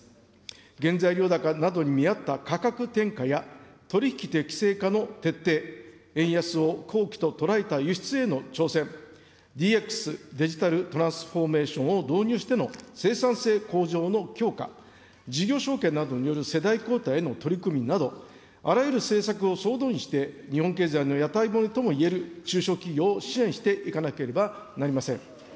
原材料高などに見合った価格転嫁や、取り引き適正化の徹底、円安を好機と捉えた輸出への挑戦、ＤＸ・デジタルトランスフォーメーションを導入しての生産性向上の強化、事業承継などによる世代交代への取り組みなど、あらゆる政策を総動員して、日本経済の屋台骨ともいえる中小企業を支援していかなければなりません。